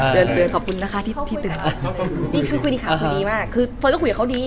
เตือนเตือนขอบคุณนะคะที่เตือนคุยดีค่ะคุยดีมากคือเฟิร์นก็คุยกับเขาดี